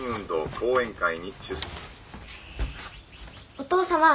お父様。